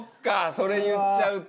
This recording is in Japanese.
それ言っちゃうと。